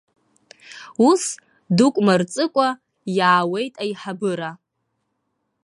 Ус, дук мырҵыкәа, иаауеит аиҳабыра.